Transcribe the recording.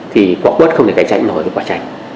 thì quả quất không thể cạnh tranh nổi với quả tranh